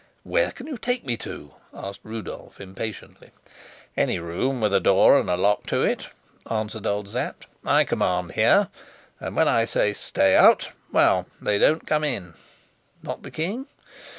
"Where can you take me to?" asked Rudolf impatiently. "Any room with a door and a lock to it," answered old Sapt. "I command here, and when I say 'Stay out' well, they don't come in." "Not the king?"